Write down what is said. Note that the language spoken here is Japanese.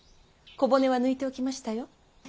小骨は抜いておきましたよ。